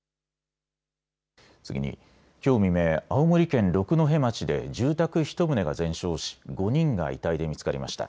次に、きょう未明、青森県六戸町で住宅１棟が全焼し５人が遺体で見つかりました。